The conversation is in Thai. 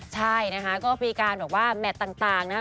ใช่นะคะก็เป็นปีการแบบว่าแมทต่างนะ